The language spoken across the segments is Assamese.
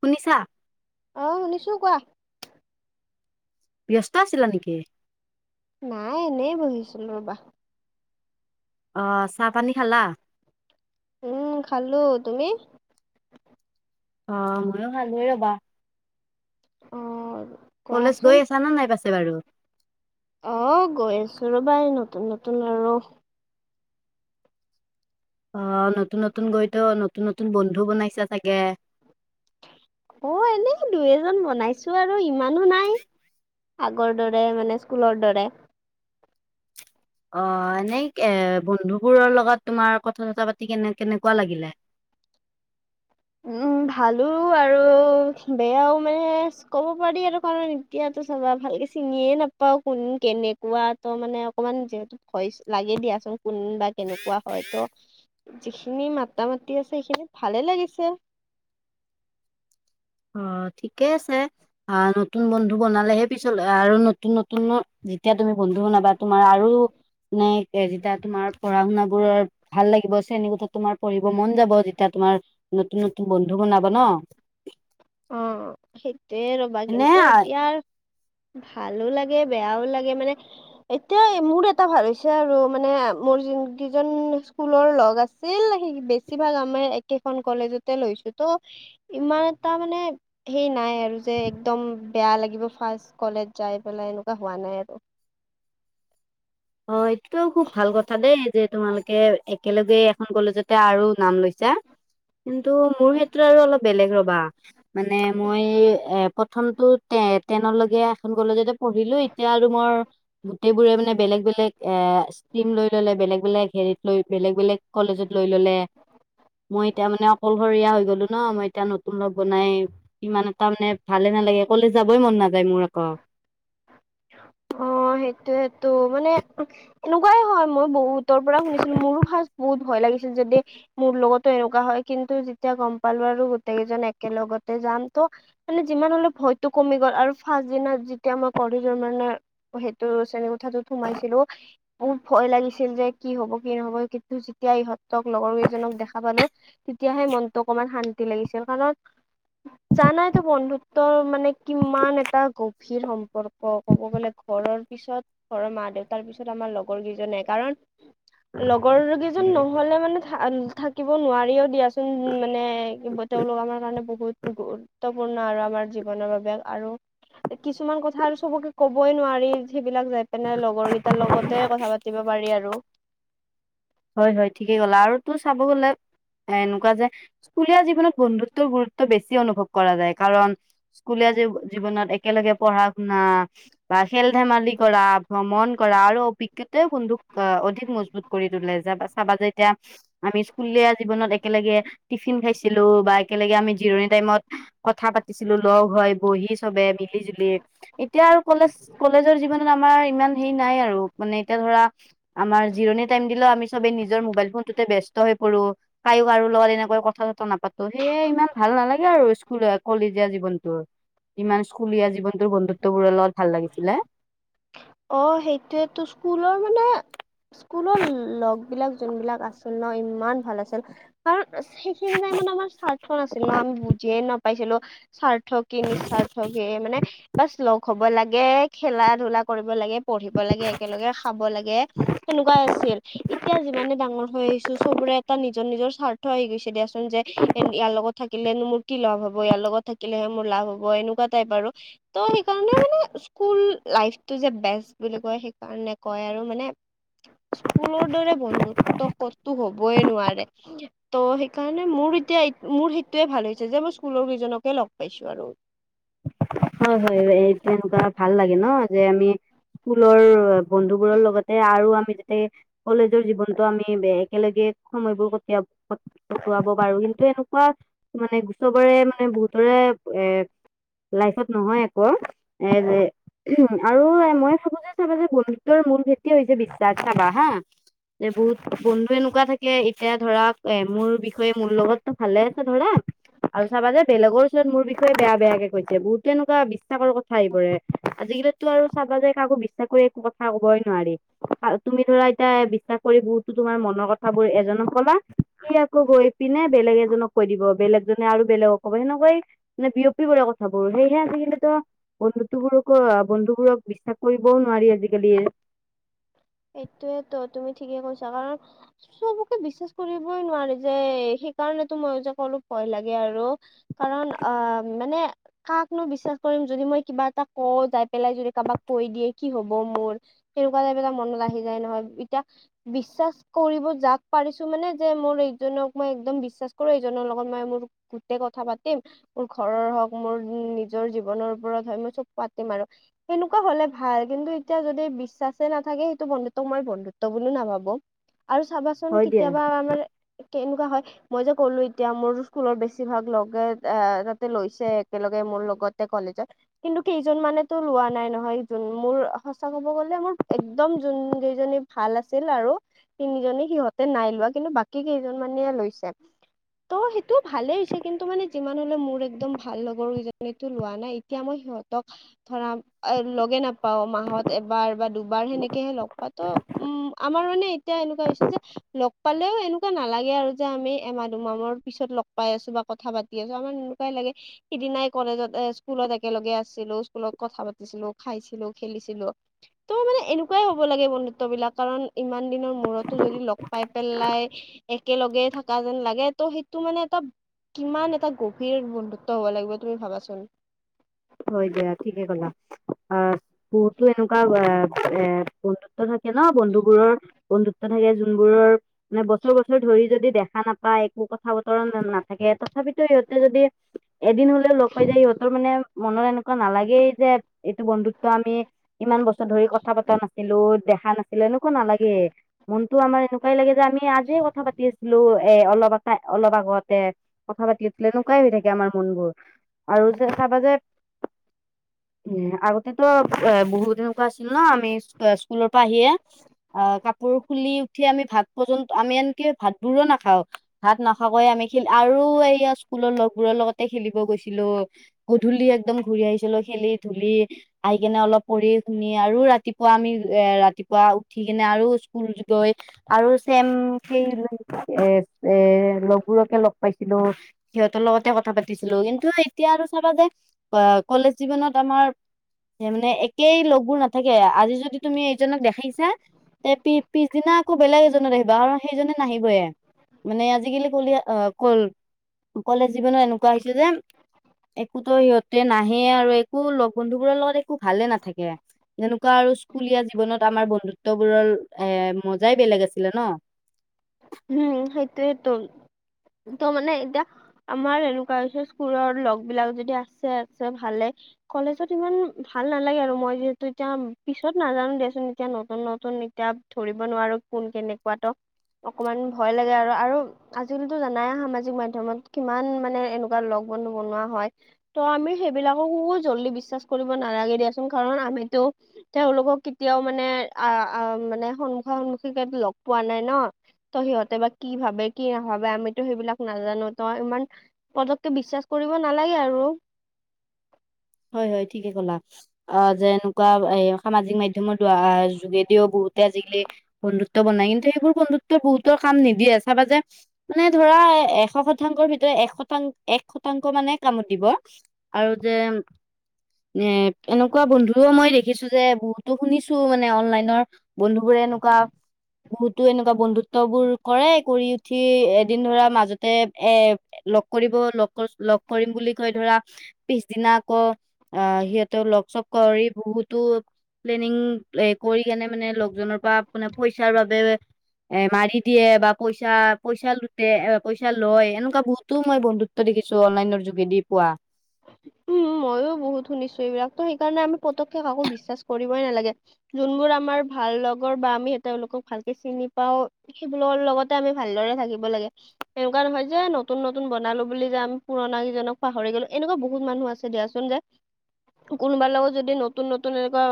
শুনিছা অহ শুনিছোঁ কোৱা ব্যস্ত আছিলা নেকি? নাই এনেই বহিছিলো ৰবা অহ চাহ পানী খালা? উম খালো। তুমি? অ ময়ো খালোৱে ৰবা অ কলেজ কোৱাচোন গৈ আছা না নাই পাছে বাৰু? অহ গৈ আছো ৰ'বা এই নতুন নতুন আৰু অহ নতুন নতুন গৈতো নতুন নতুন বন্ধু বনাইছা চাগে অ এনেই দুই এজন বনাইছো আৰু ইমানো নাই। আগৰ দৰে, মানে স্কুলৰ দৰে অ এনেই এ বন্ধুবোৰৰ লগত তোমাৰ কথা চথা পাতি কেনে কেনেকুৱা লাগিলে [inaudible] উম ভালো আৰু বেয়াও মানে ক'ব পাৰী আৰু কাৰণ এতিয়া চাবা ভালকে চিনিয়ে নেপাওঁ কোন কেনেকুৱা ত মানে অকমান যিহেতু ভয় লাগেই দিয়া চোন কোন বা কেনেকুৱা হয় ত যিখিনি মাতা মাতি আছে সেইখিনি ভালে লাগিছে [unintelligible] অ ঠিকে আছে, অ নতুন বন্ধু বনালেহে পিছলৈ আৰু নতুন নতুন যেতিয়া তুমি বন্ধু বনবা তোমাৰ আৰু মানে এ যেতিয়া তোমাৰ পঢ়া শুনা বোৰ ভাল লাগিব শ্ৰেণীকোঠাত তোমাৰ পঢ়িব মন যাব যেতিয়া তোমাৰ নতুন নতুন বন্ধু বনাব ন। অ সেইটোয়ে ৰবা কিন্তু এনে এতিয়া। ভালো লাগে, বেয়াও লাগে মানে এতিয়া মোৰ এটা ভাবিছোঁ আৰু মানে মোৰ জোন কিজন স্কুলৰ লগ আছিল, বেছিভাগ আমাৰ একেখন কলেজতে লৈ। ত ইমান এটা মানে সেই নাই আৰু যে একদম বেয়া লাগিব ফাচ কলেজ যাই পেলাই এনেকুৱা হোৱা নাই আৰু অ এইটো খুব ভাল কথা দেই যে তোমালোকে একেলগে এখন কলেজতে আৰু নাম লৈছা কিন্তু মোৰ হেইটো আৰু অলপ বেলেগ ৰবা, মানে মই এ পত প্ৰথম টো টেনলৈকে এখন কলেজতে পঢ়িলো, এতিয়া আৰু মই গোটেই বোৰে মানে বেলেগ বেলেগ বেলেগ এ ষ্টিম লৈ ললে বেলেগ বেলেগ হেৰিত লৈ বেলেগ বেলেগ কলেজত লৈ ললে মই এতিয়া মানে অকলশৰীয়া হৈ গলো ন মই এতিয়া নতুন লগ বনাই ইমান এটা মানে ভালে নালাগে, কলেজ যাবই মন নাযায় মোৰ আক। অ সেইটোয়েটো মানে এনেকুৱাই হয়, মই বহুতৰ পৰা শুনিছিলো মোৰো ভাজ বহুত ভয় ভয় লাগিছিল যদি মোৰ লগতো এনেকুৱা হয় কিন্তু যেতিয়া গম পালো আৰু গোটেই কেইজন একে লগতে জাম [unintelligible] যাম ত মানে যিমান হলে ভয়তো কমি গল আৰু ফাছ দিনা যেতিয়া মই ক জোৰমানে সেইটো শ্ৰেণীকোঠাটোত সোমাইছিলো খুব ভয় লাগিছিল যে কি হব কি নহব কিন্তু যেতিয়া ইহঁতক লগৰ কেইজনক দেখা পালো তেতিয়াহে মনটো অকমান শান্তি লাগিছিল কাৰণ জানাই তো বন্ধুত্বৰ মানে কিমান এটা গভীৰ সম্প সম্পৰ্ক ক'ব গ'লে ঘৰৰ পিছত ঘৰৰ মা দেউতাৰ পিছত আমাৰ লগৰ কেইজনে কাৰণ লগৰ কেইজন নহলে মানে থাকিব নোৱাৰিও দিয়াচোন মানে, তেওঁলোক আমাৰ কাৰণে বহু বহুত গুৰুত্বপূৰ্ণ আৰু আমাৰ জীৱনৰ বাবে আৰু কিছুমান কথা চবকে ক'বই নোৱাৰি সেইবিলাক যাই পিনে লগৰ কেইটাৰ লগতে কথা পাতিব পাৰি আৰু হয় হয় ঠিকেই কলা আৰু তোৰ চাব গলে এনেকুৱা যে স্কুলীয়া জীৱনত বন্ধুত্বৰ গুৰুত্ব বেছি অনুভৱ কৰা যায়, কাৰণ স্কুলীয়া জীৱনত একেলগে পঢ়া শুনা বা খেল ধেমালি কৰা, ভ্ৰমণ কৰা আৰু অভিঘাতে বন্ধুক অধিক মজবুত কৰি তোলে। জাবা চাবা এতিয়া আমি স্কুল জীৱনত একেলগে টিফিন খাইছিলো বা একেলগে আমি জিৰণি টাইমত কথা পাতিছিলো লগ হৈ বহি চবে মিলি জুলি এতিয়া আৰু কলেজ কলেজৰ জীৱনত আমাৰ ইমান হেৰি নাই আৰু মানে এতিয়া ধৰা আমাৰ জিৰণি টাইম দিলেও আমি চবে নিজৰ মোবাইল ফোন টোতে ব্যস্ত হৈ পোৰো, কাইও আৰু লগত এনেকৈ কথা চঠা নাপাতো সেয়ে ইমান ভাল ভাল নালাগে আৰু স্কুল কলেজীয়া জীৱনতটো ইমান স্কুলীয়া জীৱনটোৰ বন্ধুত্ববোৰৰ লগত ভাল লাগিছিলে। অ সেইটোয়ে তো স্কুলৰ মানে স্কুলৰ লগ বিলাক যোনবিলাক আছিল ন ইমান ভাল আছিল কাৰণ সেইখিনি টাইমত আমাৰ স্বাৰ্থ নাছিল ন, আমি বুজিয়ে নাপাইছিলো স্বাৰ্থ কি নিস্বাৰ্থ কি মানে যাষ্ট লগ হব লাগে খেলা ধূলা কৰিব লাগে। পঢ়িব লাগে একেলগে খাব লাগে, সেনেকুৱাই আছিল। এতিয়া যিমানে ডাঙৰ হৈ আহিছো চবৰে এটা নিজৰ নিজৰ স্বাৰ্থ আহি গৈছে দিয়াচোন যে ইয়াৰ লগত থাকিলে থাকিলেনো মোৰ কি লাভ হব, ইয়াৰ লগত থাকিলেহে মোৰ লাভ হব এনেকুৱা টাইপ আৰু, ত সেইকাৰণে মানে স্কুল লাইফ তুজে বেষ্ট বুলি কয়, সেইকাৰণে কয় আৰু মানে স্কুলৰ দৰে বন্ধুত্ব ক'তো হবই নোৱাৰে ত' সেইকাৰণে মোৰ মোৰ এতিয়া মোৰ সেইটোয়ে ভাল হৈছে যে মই স্কুলৰ কেইজনকে লগ পাইছো আৰু হয় হয় এই তেনেকুৱা ভাল লাগে ন যে আমি স্কুলৰ বন্ধু বোৰৰ লগতে আৰু আমি, এই কলেজৰ জীৱনতো আমি বে- একেলগে সময়বোৰ খটিয়া- খটুৱাব পাৰোঁ, কিন তু এনেকুৱা মানে গো- চবৰে মানে বহুতৰে এ লাইফত নহয় একো। এ যে উম আৰু মই ভাবো যে চাবা যে বন্ধুত্বৰ মূল ভেটিয়ে হৈছে বিশ্বাস, চাবা হা। যে বহুত বন্ধুৱে এনেকুৱা থাকে, এতিয়া ধৰা এ মোৰ বিষয়ে মোৰ লগতো ভালে আছে ধৰা আৰু চাবা যে বেলেগৰ ওচৰত মোৰ বিষয়ে বেয়া-বেয়াকে কৈ ছে। বহুতো এনেকুৱা বিশ্বাসৰ কথা আহি পৰে। আজিকালিটো আৰু চাবা যে, কাকো বিশ্বাস কৰি একো কথা কবয়ে ন নোৱাৰি। আৰু তুমি ধৰা, এতিয়া বিশ্বাস কৰি বহুতো তোমাৰ মনৰ কথাবোৰ এজনক কলা, সি আকৌ গৈ পি পিনে বেলেগ এজনক কৈ দিব। বেলেগজনে আৰু বেলেগক ক'ব, সেনেকুৱাই মানে বিয়পি কৰে ক থাবোৰ। সেয়েহে আজিকালিতো বন্ধুত্ববোৰকো- বন্ধুবোৰক বিশ্বাস কৰিবও নোৱাৰি আজিকালি। [unintelligible] সেইটোৱেতো। তুমি ঠিকে কৈছা, কাৰণ চবকে বিশ্বাস কৰিবই নোৱাৰি যে সেইকাৰণেতো মই যে কলো ভয় লাগে আৰু, কাৰণ অ' মানে কাকনো বিশ্বাস কৰিম যদি মই কিবা এটা কও, যাই পেলাই কাৰোবাক কৈ দিয়ে, কি হ'ব মোৰ? তেনেকুৱা টাইপ এটা মন আহি যায় নহয়। এতিয়া বিশ্বাস কৰিব যাক পাৰিছোঁ, মানে যে মোৰ এইজনক মই একদম বিশ্বাস কৰোঁ, এইজনৰ লগত মই মোৰ গোটে কথা পাতিম, মোৰ ঘৰৰ হওঁক, মোৰ নিজৰ জীৱন ৰ ওপৰত হয়, মই চব পাতিম আৰু। সেনেকুৱা হ'লে ভাল। কিন্তু এতিয়া যদি বিশ্বাসে নাথাকে তো বন্ধুত্বক মই বন্ধুত্ব বুলিও নাভাবোঁ। আৰু চাবাচোন হয় দিয়া কেতিয়াবা আমাৰ কেনেকুৱা হয় মই যে ক'লো এতিয়া, মোৰ স্কুলত বেছিভাগ লগে অ' তাতে লৈছে একেলগে মোৰ লগতে কলেজত। কিন্তু কেইজন মানেতো লোৱা নাই নহয় যোন, মোৰ সঁচা ক'ব গ'লে মোৰ এ দম যোনকেইজনী ভাল আছিল আৰু, তিনিজনী, সিহঁতে নাই লোৱা। কিন্তু বাকী কেইজন মানে লৈছে। তো সেইটো ভালে হৈছে। কিন্তু মানে যিমান হ'লেও মোৰ একদম ভাল লগৰকেজনীতো লোৱা নাই। এতিয়া মই সিহঁতক ধৰা, অ' লগে নাপাওঁ। মাহত এবাৰ বা দুবাৰ সেনে কে লগ পাতো। উম আমাৰ মানে এতিয়া এনেকুৱা হৈছে যে, লগ পালেও এনেকুৱা নালাগে আৰু যে আ মি এমাহ-দুমাহ মুৰৰ পিছত লগ পাই আছোঁ বা কথা পাতি আছোঁ। আমাৰ এনেকুৱাই লাগে সিদিনাই কলেজত অ'- স স্কুলত একেলগে আছিলোঁ, স্কুলত কথা পাতিছিলোঁ খাইছিলোঁ, খেলিছিলোঁ। তো মানে এনে কাৰণ ইমান দিনৰ মূৰতো যদি লগ পাই পেলাই একেলগে থকা যেন লাগে, তো সেইটো টো মানে এটা- কিমান এটা গভীৰ বন্ধুত্ব হব লাগিব, তুমি ভাবাচোন? হয় দিয়া। ঠিকে কলা। অ' বহুতো এনেকুৱা অ'- অ'- বন্ধুত্বৰ সৈত কে ন' বন্ধুবোৰৰ বন্ধুত্ব থাকে, যোনবোৰৰ মানে বছৰ - বছৰ ধৰি যদি দেখা নাপায়, একো কথা-বতৰা নাথাকে। তথাপিতো ইহঁতে যদি এদিন হ'লেও লগ পাই যায়, ইহঁতৰ মানে মনত এনেকুৱা নালাগেই যে এইটো বন্ধুত্ব আমি ইমান বছৰ ধৰি কথা পতা নাছিলোঁ। দেখা নাছিলে, এনেকুৱা নালাগে। মনতো আমাৰ এনেকুৱাই লাগে যে, আমি আজিয়ে কথা পাতি আছিলোঁ। এ অলপতে- অলপ আগতে কথা পাতি আছিলোঁ। এনেকুৱাই হৈ থাকে আমাৰ মনবোৰ। আৰু যে চাবা যে [inaudible] উম, আগতেতো বহুত এনেকুৱা আছিল ন', আমি স্কু- স্কুলৰ পৰা আহিয়ে কাপোৰ খুলি উঠি, আমি ভাত পৰ্যন্ত- আমি আনকি ভাতবোৰো নাখাওঁ। ভাত নাখাকৈয়ে আমি খি আৰু এইয়া স্কুলৰ লগবোৰৰ লগতে খেলিব গৈছিলোঁ, গধূলি একদম ঘূৰি আহিছিলোঁ খেলি-ধূলি। আহিকেনে অলপ পঢ়ি, শুনি, আৰু ৰাতিপুৱা আমি এ- ৰাতি পুৱা উঠি কিনে আৰু স্কুল গৈ আৰু ছেম সেই [inaudible] এ- এ লগবোৰকে লগ পাইছিলোঁ, সিহঁতৰ লগতে কথা পাতিছিলোঁ। কিন্তু এতিয়া আৰু চাবা যে, অ' কলেজ জীৱনত আমাৰ যেনে একেই লগো নাথাকে। আজি যদি তুমি এইজনক দেখিছা তে পি- পিছদিনা আকৌ বেলেগ এজনক দেখিবা। কাৰণ সেইজনে নাহিবয়ে। মানে আজিকালি কলিয়া- অ' কল- কলেজ জীৱনৰ এনেকুৱা হৈছে যে একোতো সিহঁতে নাহে। আৰু একো লগ-বন্ধুবোৰৰ লগত একো ভালে নাথাকে। এনেকুৱা আৰু স্কুলীয়া জীৱনত আমাৰ বন্ধুত্ব বোৰৰ এ- মজাই বেলেগ আছিলে ন'? [inaudible] উম! সেইটোৱেতো। ত মানে এতিয়া আমাৰ এনেকোৱা হৈছে স্কুলৰ লগ বিলাক যদি আছে আছে ভালে কলেজত ইমান ভাল নালাগে আৰু মই যিহেতু এতিয়া পিছত নাজানো দেিয়াচোন এতিয়া নতুন নতুন এতিয়া ধৰিব নোৱাৰো কোন কেনেকোৱাত অকমান ভয় লাগে আৰু আৰু আজিকালিতো জানাই সামাজিক মাধ্যমত কিমান মানে এনেকোৱা লগৰ ব নোৱা হয় ত' আমি সেইবিলাককো জল্দি বিশ্বাস কৰিব নালাগে দিয়াচোন কাৰণ আমিতো তেওঁলোকক কেতিয়াও মানে আহ আহ মানে সন্মুখা সন্মুখী লগ পোৱা নাই ন ত সিহঁতে বা কি ভাবে কি নাভাবে আমিতো সেইবিলাক নাজানো ত ইমান পতককে বিশ্বাস কৰিব নালাগে আৰু [unintelligible] হয় হয় ঠিকে কলা অ যেনেকোৱা এ সামাজিক মাধ্যমৰ দ যোগেদিয়ো বহু বহুতে আজিকালি বন্ধুত্ব বনাই কিন্তু সেইবোৰ বন্ধুত্বৰ বহুতৰ কাম নিদিয়ে চাবা যে মানে ধৰা এশ শতাংশ ভিতৰত এ শতাং এক শতাংশ মানে কাম দিব আৰু যে এ এনেকোৱা বন্ধুও মই দেখিছো যে বহুতো শুনিছো মানে অনলাইনৰ বন্ধুবোৰে এনেকোৱা বহুতো এনেকোৱা বন্ধুত্ব বোৰ কৰে কৰি উঠি এদিন ধৰা মাজতে এ কৰিব লগ লগ কৰিম বুলি কৈ ধৰা পিছদিনা আকৌ আহ সিহঁতেও লগ চগ কৰি বহুতো প্লেনিং এ কৰি কেনে মানে লকজনৰ পৰা মে পইচাৰ বাবে এ মাৰি দিয়ে বা পইচা পইচা লুতে, পইচা লয়, এনেকোৱা বহুতো মই বন্ধুত্ব দে খিছো অনলাইনৰ যোগেদি পোৱা উম মইয়ো বহুত শুনিছো এইবিলাক ত সেইকাৰণে আমি পতকে কাকো বিশ্বাস কৰিবই নালাগে যোনবোৰ আমাৰ ভাল লগৰ বা আমি তেওঁলোকক ভালকে চিনি পাও সেইবিলৰ লগতে আমি ভালদৰে থাকিব লাগে এনেকোৱা নহয় যে নতুন নতুন বনালো বুলি যে আমি পুৰণা কিজনক পাহৰি গলো এনেকোৱা বহু বহুত মানুহ আছে দিয়াচোন যে কোনোবাৰ লগত যদি নতুন নতুন এনেকোৱা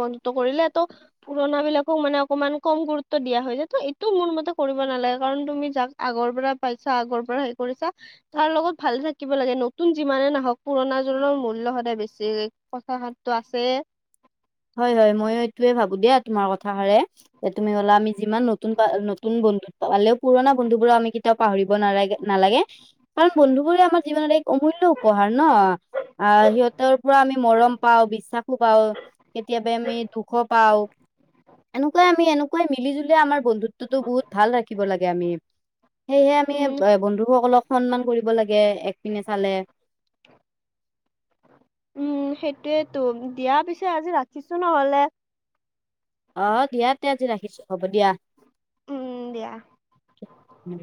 বন্ধুত্ব কৰিলে ত পুৰণা বিলাকক মানে অক ইমান কম গুৰুত্ব দিয়া হৈ যে ত এইটো মোৰ মতে কৰিব নালাগে কাৰণ তুমি যাক আগৰ পৰা পাইছা আগৰ পৰা হে কৰিছা তাৰ লগত ভালে থাকিব লাগে নতুন যিমানে নাহক পুৰণা জোৰনৰ মূল্য সদায় বেছি কথাষাৰটো আছে হয় হয় মইয়ো এইটোয়ে ভাবো দিয়া তোমাৰ কথা হাৰে যে তুমি হলা আমি যিমান নতুন নতুন বন্ধুত পালেও পুৰণা বন্ধু বোৰক আমি কেতিয়াও পাহৰিব নালাগে নালাগে কাৰণ বন্ধু বোৰে আমাৰ জীৱনত এক অমূল্য উপহাৰ ন, আহ সিহঁতৰ পৰা আমি মৰম পাওঁ বিশ্বাসো পাওঁ। কেতিয়াবা আমি দুখো পাওঁ এনেকোৱাই আমি এনেকোৱাই মিলি জুলিয়ে আমাৰ বন্ধুত্বটো বহুত ভাল ৰাখিব লাগে আমি সেয়েহে আমি এ উম বন্ধুসকলক সন্মান কৰিব লাগে একপিনে চালে [unintelligible] উম! সেইটোয়েতো দিয়া পিছে আজি ৰাখিছোঁ নহলে অ দিয়া তে আজি ৰাখিছো হ'ব দিয়া উম দিয়া উম!